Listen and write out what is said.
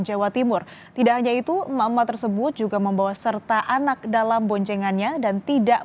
jawa timur tidak hanya itu emak emak tersebut juga membawa serta anak dalam boncengannya dan tidak